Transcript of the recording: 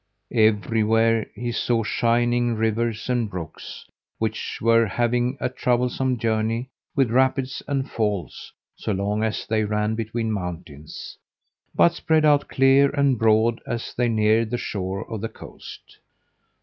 Everywhere he saw shining rivers and brooks which were having a troublesome journey with rapids and falls so long as they ran between mountains, but spread out clear and broad as they neared the shore of the coast.